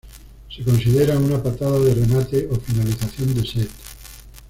Se considera una patada de remate o finalización de set.